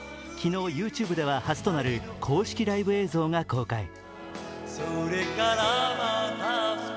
昨日、ＹｏｕＴｕｂｅでは初となる公式ライブ映像が公開。